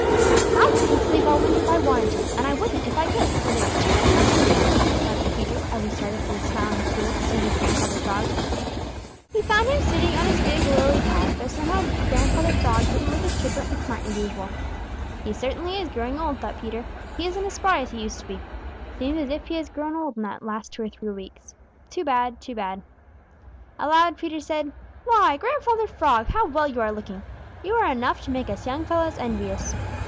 "I couldn't sleep all winter if I wanted to, and I wouldn't if I could, for there is too much fun to miss," muttered Peter, as he started for the Smiling Pool in search of Grandfather Frog. He found him sitting on his big lily pad, but somehow Grandfather Frog didn't look as chipper and smart as usual. "He certainly is growing old," thought Peter. "He isn't as spry as he used to be. Seems as if he had grown old in the last two or three weeks. Too bad, too bad." Aloud, Peter said: "Why, Grandfather Frog, how well you are looking! You are enough to make us young fellows envious."